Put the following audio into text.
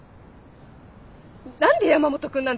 何で山本君なんですか？